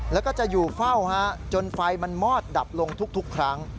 แล้วก็จะอยู่เฝ้าจนไฟมันมอดดับลงทุกครั้ง